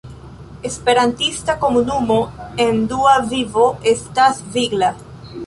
La esperantista komunumo en Dua Vivo estas vigla.